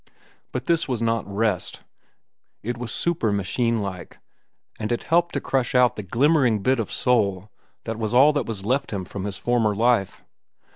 But this was not rest. It was super machinelike, and it helped to crush out the glimmering bit of soul that was all that was left him from former life.